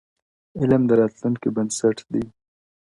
علم د راتلونکي بنسټ دی.